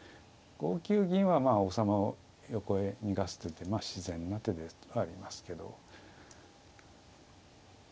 ５九銀はまあ王様を横へ逃がす手でまあ自然な手でありますけど。